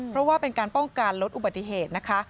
เพราะว่าเป็นการป้องกันลดอุบัติเหตุนะคะ